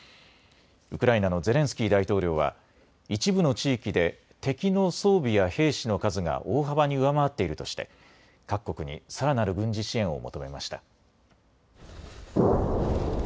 ウクライナのゼレンスキー大統領は一部の地域で敵の装備や兵士の数が大幅に上回っているとして各国にさらなる軍事支援を求めました。